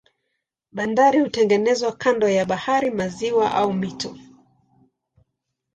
Bandari hutengenezwa kando ya bahari, maziwa au mito.